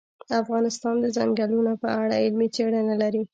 افغانستان د ځنګلونه په اړه علمي څېړنې لري.